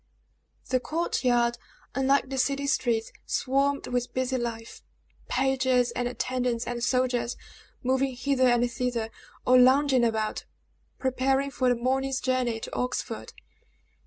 The court yard, unlike the city streets, swarmed with busy life. Pages, and attendants, and soldiers, moving hither and thither, or lounging about, preparing for the morning's journey to Oxford.